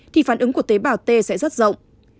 thì phản ứng của tế bào t sẽ rất rộng